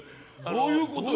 どういうこと？